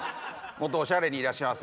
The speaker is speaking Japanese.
もっとおしゃれにいらっしゃいませ。